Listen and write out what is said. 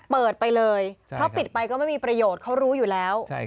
เปิดไปเลยเพราะปิดไปก็ไม่มีประโยชน์เขารู้อยู่แล้ว